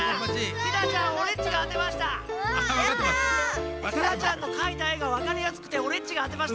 ティナちゃんのかいたえがわかりやすくてオレっちがあてました。